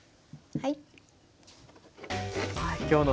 はい。